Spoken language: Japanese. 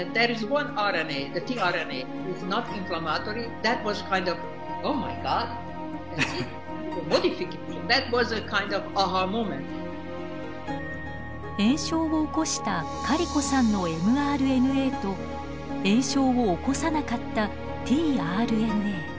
なぜか炎症を起こしたカリコさんのｍＲＮＡと炎症を起こさなかったｔＲＮＡ。